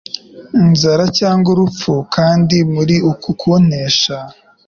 inzara cyangwa urupfu. Kandi muri uku kunesha